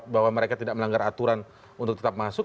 bahwa mereka tidak melanggar aturan untuk tetap masuk